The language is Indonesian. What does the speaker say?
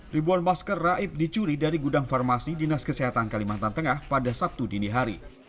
ribuan masker raib dicuri dari gudang farmasi dinas kesehatan kalimantan tengah pada sabtu dini hari